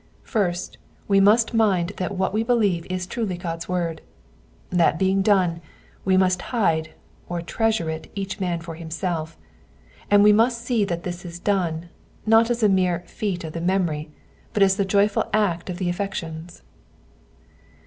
First, we must mind that what we believe is truly God's word ; that being done, we must hide or treasure it each man for himself ; and we must see that this is done, not as a mere feat of the memory, but as the joyful act of the affections.